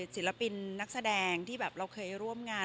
ศิลปินนักแสดงที่แบบเราเคยร่วมงาน